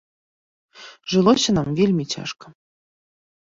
Жылося нам вельмі цяжка.